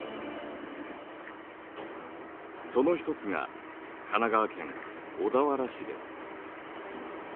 その一つが神奈川県小田原市です。